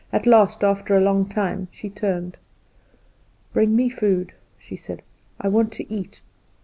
At last, after a long time, she turned. "Bring me food," she said, "I want to eat.